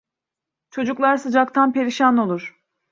Çocuklar sıcaktan perişan olur.